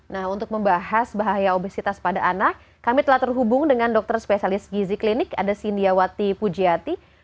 nah untuk membahas bahaya obesitas pada anak kami telah terhubung dengan dokter spesialis gizi klinik ada sindiawati pujiati